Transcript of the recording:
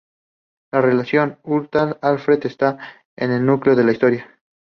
La relación Uhtred-Alfred está en el núcleo de la historia".